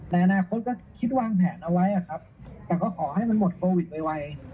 ในอนาคตก็คิดวางแผนเอาไว้ครับแต่ก็ขอให้มันหมดโควิดไว